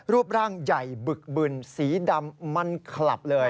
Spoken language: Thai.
รูปร่างใหญ่บึกบึนสีดำมันขลับเลย